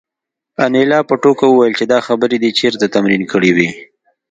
انیلا په ټوکه وویل چې دا خبرې دې چېرته تمرین کړې وې